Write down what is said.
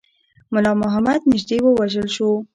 مُلا محمد نیژدې ووژل شو.